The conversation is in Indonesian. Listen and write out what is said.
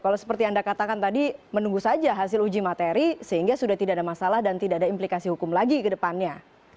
kalau seperti anda katakan tadi menunggu saja hasil uji materi sehingga sudah tidak ada masalah dan tidak ada implikasi hukum lagi ke depannya